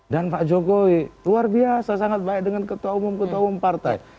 dan pak jokowi luar biasa sangat baik dengan ketua umum ketua umum partai